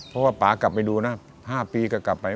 เพราะว่าป๊ากลับไปดูนะ๕ปีก็กลับไป